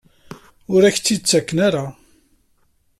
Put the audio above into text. Ur ak-tt-id-ttaken ara?